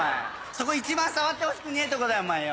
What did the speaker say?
そこ一番触ってほしくねえとこだお前よ！